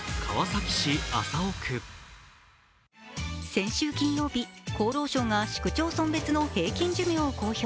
先週金曜日、厚労省が市区町村別の平均寿命を公表。